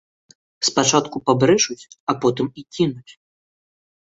Спачатку пабрэшуць, а потым і кінуць.